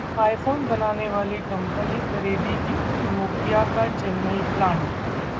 iPhone बनाने वाली company खरीदेगी नोकिया का चेन्नई प्लांट